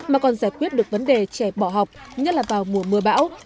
mà còn giải quyết được vấn đề trẻ bỏ học nhất là vào mùa mưa bão